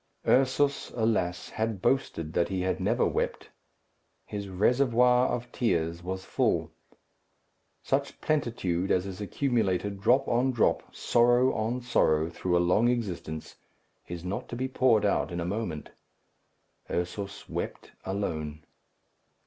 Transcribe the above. Ursus, alas! had boasted that he had never wept. His reservoir of tears was full. Such plentitude as is accumulated drop on drop, sorrow on sorrow, through a long existence, is not to be poured out in a moment. Ursus wept alone.